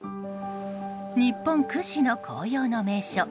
日本屈指の紅葉の名所